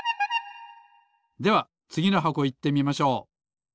ではつぎのはこいってみましょう。